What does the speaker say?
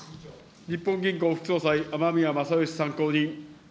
日本銀行副総裁、雨宮正佳参考人。